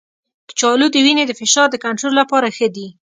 کچالو د وینې د فشار د کنټرول لپاره ښه دی.